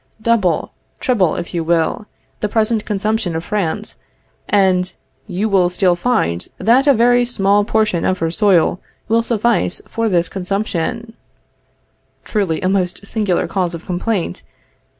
Double, treble if you will, the present consumption of France, and you will still find that a very small portion of her soil will suffice for this consumption. (Truly a most singular cause of complaint!)